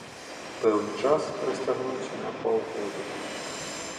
Пэўны час расцягнуўся на паўгода.